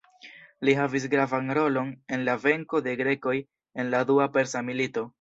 Li havis gravan rolon en la venko de grekoj en la dua persa milito.